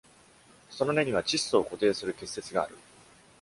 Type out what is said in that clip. その根には、窒素を固定する結節がある。